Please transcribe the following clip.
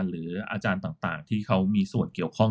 หรืออาจารย์ต่างที่เขามีส่วนเกี่ยวข้อง